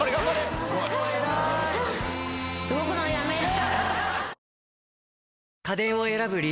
動くのやめる。